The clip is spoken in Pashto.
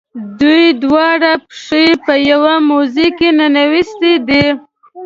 دوی دواړه پښې په یوه موزه کې ننویستي دي.